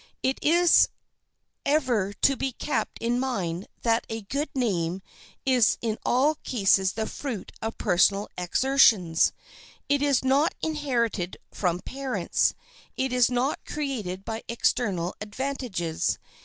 It is ever to be kept in mind that a good name is in all cases the fruit of personal exertions. It is not inherited from parents; it is not created by external advantages.